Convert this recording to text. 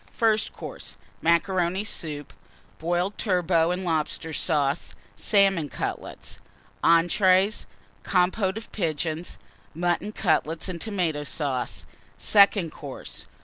FIRST COURSE. Macaroni Soup. Boiled Turbot and Lobster Sauce. Salmon Cutlets. ENTREES. Compôte of Pigeons. Mutton Cutlets and Tomato Sauce. SECOND COURSE.